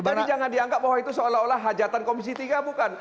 jadi jangan dianggap bahwa itu seolah olah hajatan komisi tiga bukan